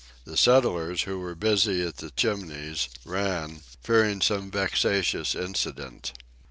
The settlers, who were busy at the Chimneys, ran, fearing some vexatious incident.